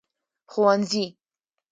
ښوونځي